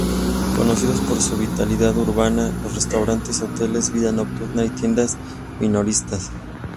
Conocidos por su vitalidad urbana, los restaurantes, hoteles, vida nocturna y tiendas minoristas.